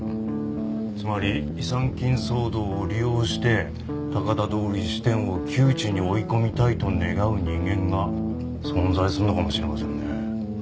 つまり違算金騒動を利用して高田通り支店を窮地に追い込みたいと願う人間が存在するのかもしれませんね。